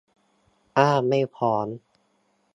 อ้างไม่พร้อม